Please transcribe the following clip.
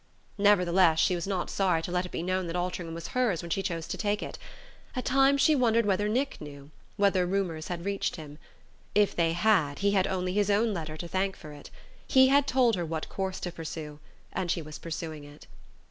Nevertheless she was not sorry to let it be known that Altringham was hers when she chose to take it. At times she wondered whether Nick knew... whether rumours had reached him. If they had, he had only his own letter to thank for it. He had told her what course to pursue; and she was pursuing it.